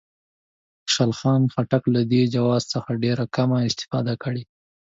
خوشحال خان خټک له دې جواز څخه ډېره کمه استفاده کړې.